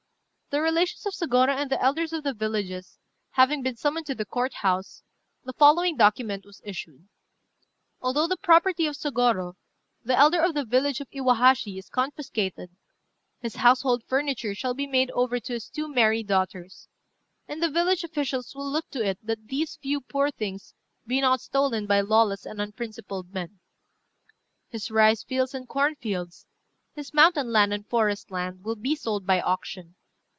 The relations of Sôgorô and the elders of the villages having been summoned to the Court house, the following document was issued: "Although the property of Sôgorô, the elder of the village of Iwahashi, is confiscated, his household furniture shall be made over to his two married daughters; and the village officials will look to it that these few poor things be not stolen by lawless and unprincipled men. "His rice fields and corn fields, his mountain land and forest land, will be sold by auction.